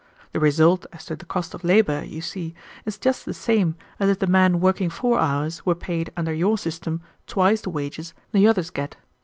The result as to the cost of labor, you see, is just the same as if the man working four hours were paid, under your system, twice the wages the others get.